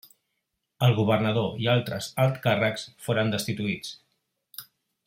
El governador i altres alt càrrecs foren destituïts.